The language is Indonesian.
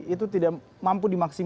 itu tidak mampu dimaksimalisir